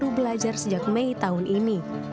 baru belajar sejak mei tahun ini